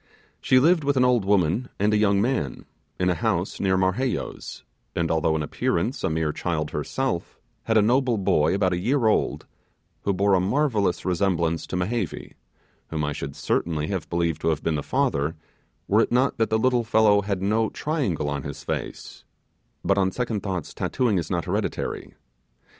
She lived with an old woman and a young man, in a house near Marheyo's; and although in appearance a mere child herself, had a noble boy about a year old, who bore a marvellous resemblance to Mehevi, whom I should certainly have believed to have been the father, were it not that the little fellow had no triangle on his face but on second thoughts, tattooing is not hereditary.